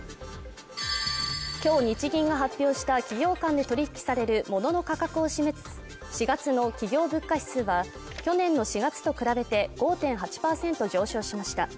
今日日銀が発表した企業間で取引される物の価格を示す４月の企業物価指数は、去年の４月と比べて５．８％上昇しました。